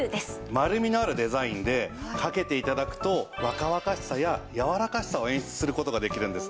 丸みのあるデザインでかけて頂くと若々しさややわらかさを演出する事ができるんですね。